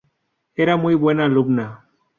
Era muy buena alumna.